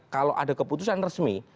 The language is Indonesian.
kalau ada keputusan resmi